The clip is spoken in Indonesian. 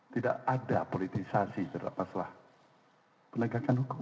tidak ada politisasi terhadap masalah penegakan hukum